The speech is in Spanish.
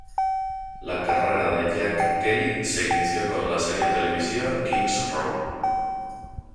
La carrera de Jack Kelly se inició con la serie televisiva Kings Row.